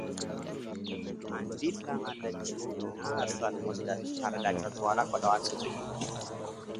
አንዲት ላም አለችኝና እርሷንም ወስዳችሁ ካረዳችኋት በኋላ ቆዳዋን ስጡኝ፡፡